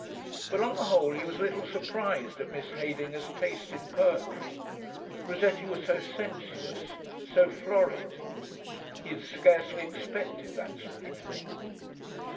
But, on the whole, he was a little surprised at Miss Heydinger's taste in poetry. Rossetti was so sensuous ... so florid. He had scarcely expected that sort of thing.